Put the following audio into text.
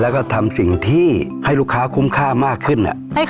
แล้วก็ทำสิ่งที่ให้ลูกค้าคุ้มค่ามากขึ้น